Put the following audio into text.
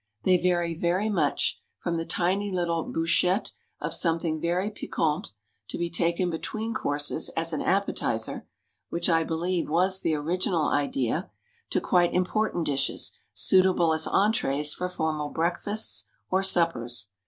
They vary very much, from the tiny little bouchette of something very piquant, to be taken between courses as an appetizer which, I believe, was the original idea to quite important dishes suitable as entrées for formal breakfasts or suppers.